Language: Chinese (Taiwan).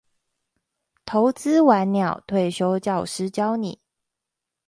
投資晚鳥退休教師教你